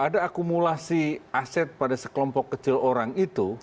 ada akumulasi aset pada sekelompok kecil orang itu